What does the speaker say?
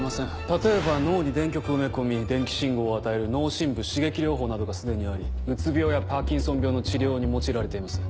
例えば脳に電極を埋め込み電気信号を与える脳深部刺激療法などが既にありうつ病やパーキンソン病の治療に用いられています。